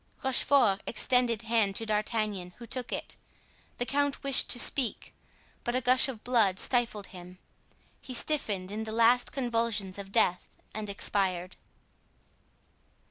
Rochefort extended his hand to D'Artagnan, who took it. The count wished to speak, but a gush of blood stifled him. He stiffened in the last convulsions of death and expired.